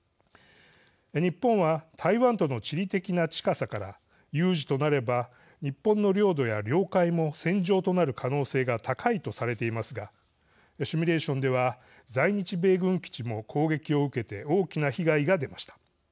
日本は台湾との地理的な近さから有事となれば日本の領土や領海も戦場となる可能性が高いとされていますがシミュレーションでは在日米軍基地も攻撃を受けて大きな被害が出ました。